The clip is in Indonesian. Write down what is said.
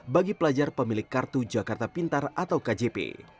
bagi pelajar pemilik kartu jakarta pintar atau kjp